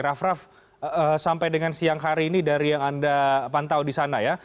raff raff sampai dengan siang hari ini dari yang anda pantau di sana ya